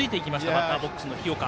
バッターボックスの日岡。